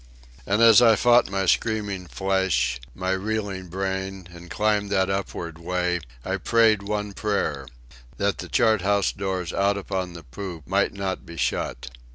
And as I fought my screaming flesh, my reeling brain, and climbed that upward way, I prayed one prayer: that the chart house doors out upon the poop might not be shut.